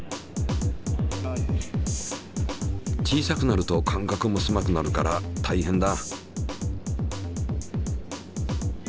小さくなると間隔もせまくなるから大変だ。